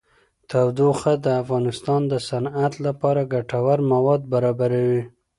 تودوخه د افغانستان د صنعت لپاره ګټور مواد برابروي.